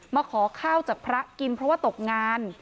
มาขอข้าวจากพระกินเพราะว่าตกงาน